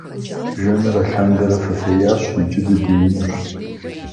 Жэмыр алъандэрэ фыфеящ, иджы дыдеинущ.